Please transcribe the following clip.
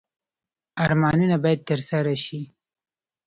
ارمانونه باید ترسره شي